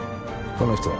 この人は？